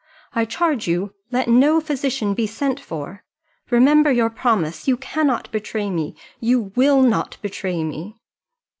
I charge you let no physician be sent for. Remember your promise: you cannot betray me you will not betray me."